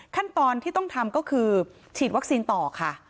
ขั้นตอนที่ต้องทำก็คือฉีดวัคซีนต่อค่ะ